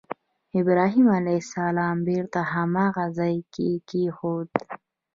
ابراهیم علیه السلام بېرته هماغه ځای کې کېښود.